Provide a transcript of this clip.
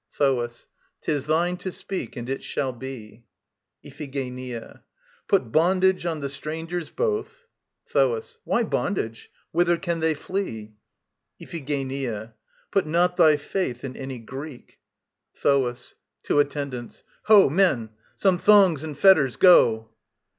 THOAS. 'Tis thine to speak and it shall be. IPHIGENIA. Put bondage on the strangers both ... THOAS. Why bondage? Whither can they flee? IPHIGENIA. Put not thy faith in any Greek. THOAS (to ATTENDANTS). Ho, men! Some thongs and fetters, go!